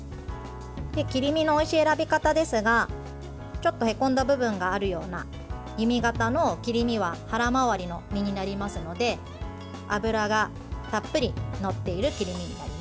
切り身のおいしい選び方ですがちょっとへこんだ部分があるような弓形の切り身は腹回りの身になりますので脂がたっぷりのっている切り身になります。